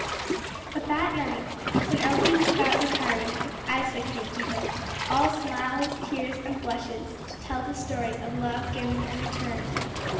But that night, when Elsie was about retiring, Isa came to her, all smiles, tears and blushes, to tell the story of love given and returned.